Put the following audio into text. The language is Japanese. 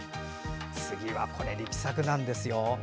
次は、力作なんですよ。